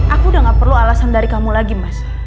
aku udah gak perlu alasan dari kamu lagi mas